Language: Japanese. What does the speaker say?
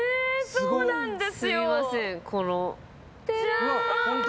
そうなんです。